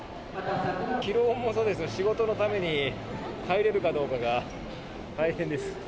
疲労もそうですけど、仕事のために帰れるかどうかが大変です。